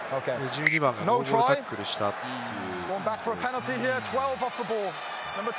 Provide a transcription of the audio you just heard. １２番がノーボールタックルをしたという。